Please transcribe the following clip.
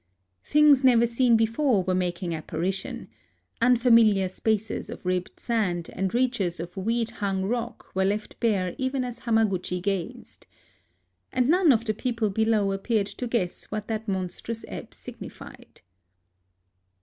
Things never seen before were making apparition; unfamiliar spaces of ribbed sand and reaches of weed hung rock were left bare even as Hamaguchi gazed. And none of the people below appeared to guess what that monstrous ebb signified.